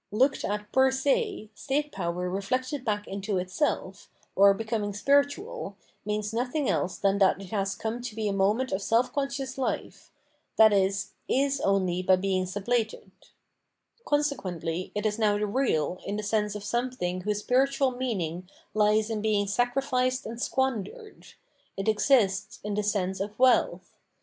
Looked at per se, state power reflected back into itself, or becoming spiritual, means nothing else than that it has come to be a moment of self conscious life, i.e. is only by beiug sublated. Consequently it is now the real in the sense of something whose spiritual mean ing lies in bemg sacrificed and squandered ; it exists in the sense of wealth.